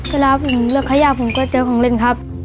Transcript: เวลาผมเลือกขยะผมก็เจอของเล่นครับ